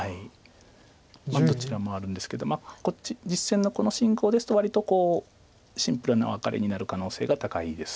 どちらもあるんですけどこっち実戦のこの進行ですと割とシンプルなワカレになる可能性が高いです。